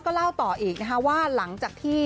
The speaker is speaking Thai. โปรดติดตามต่อไป